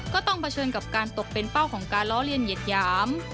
ก็ต้องประชวนกับการตกเป็นเป้าของการล้อเลียนเหยียดหยาม